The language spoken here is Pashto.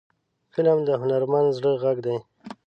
فلم د هنرمند زړه غږ دی